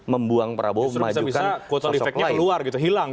membuang prabowo memajukan sosok lain